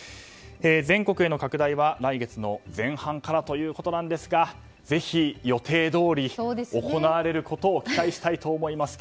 全国への拡大は来月の前半からということなんですがぜひ予定どおり行われることを期待したいと思います。